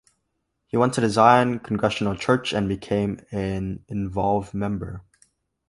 He went to the Zion Congregational Church and became an involved member.